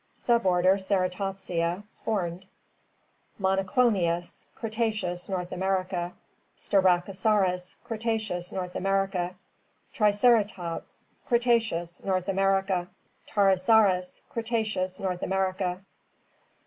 Suborder Ceratopsia — horned Monoclonius — Cretaceous; North America. * Styracosaurus — Cretaceous; North America. * Triceratops — Cretaceous; North America. * Torosaurus — Cretaceous; North America.